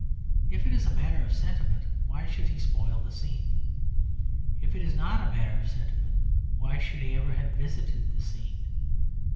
If it is a matter of sentiment, why should he spoil the scene? If it is not a matter of sentiment, why should he ever have visited the scene?